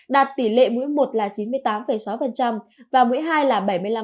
đạt tỷ lệ mũi một là chín mươi tám sáu và mũi hai là bảy mươi năm ba mươi bốn